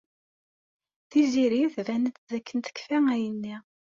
Tiziri tban-d dakken tekfa ayenni.